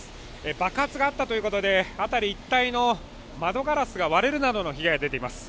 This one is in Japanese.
爆発があったということで辺り一帯の窓ガラスが割れるなどの被害が出ています。